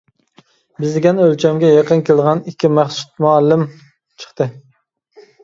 بىز دېگەن ئۆلچەمگە يېقىن كېلىدىغان ئىككى «مەخسۇت مۇئەللىم» چىقتى.